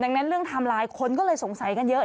ดังนั้นเรื่องไทม์ไลน์คนก็เลยสงสัยกันเยอะ